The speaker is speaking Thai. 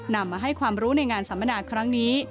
นำมาให้ความรู้ในงานสัมมนาครั้งนี้